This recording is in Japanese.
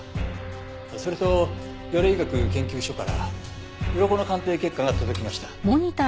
それと魚類学研究所からウロコの鑑定結果が届きました。